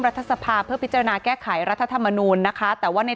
รัฐสภาเพื่อพิจารณาแก้ไขรัฐธรรมนูลนะคะแต่ว่าใน